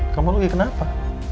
kamu lagi kenapa